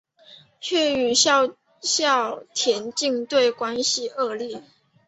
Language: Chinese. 却与校田径队关系恶劣。